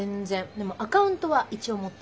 でもアカウントは一応持ってる。